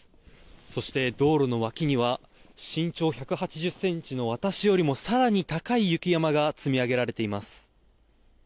そして道路の脇には身長１８０ｃｍの私よりも更に高い雪山が積み上げられています。